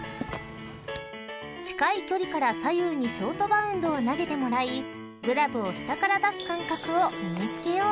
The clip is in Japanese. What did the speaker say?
［近い距離から左右にショートバウンドを投げてもらいグラブを下から出す感覚を身に付けよう］